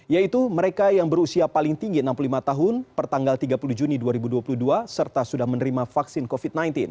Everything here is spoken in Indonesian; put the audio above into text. yaitu mereka yang berusia paling tinggi enam puluh lima tahun pertanggal tiga puluh juni dua ribu dua puluh dua serta sudah menerima vaksin covid sembilan belas